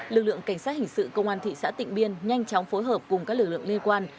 lực lượng cảnh sát hình sự công an thị xã tịnh biên nhanh chóng phối hợp cùng các lực lượng liên quan